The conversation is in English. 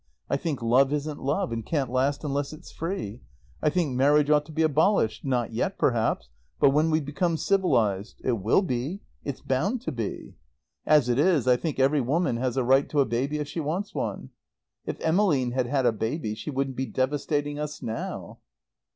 I think love isn't love and can't last unless it's free. I think marriage ought to be abolished not yet, perhaps, but when we've become civilized. It will be. It's bound to be. As it is, I think every woman has a right to have a baby if she wants one. If Emmeline had had a baby, she wouldn't be devastating us now."